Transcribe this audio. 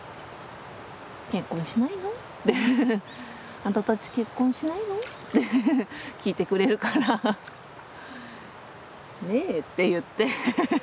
「あんたたち結婚しないの？」って聞いてくれるから「ねえ」って言って。